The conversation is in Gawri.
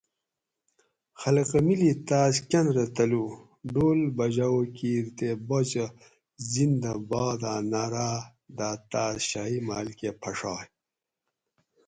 خلقہ مِلی تاۤس کن رہ تلو ڈول بجاؤ کیر تے باچہ زندہ باداۤں نعراۤ داۤ تاۤس شاۤہی محل کہۤ پھڛائ